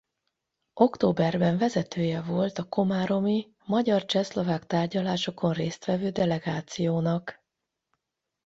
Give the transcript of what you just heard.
Októberben vezetője volt a komáromi magyar–csehszlovák tárgyalásokon részt vevő delegációnak.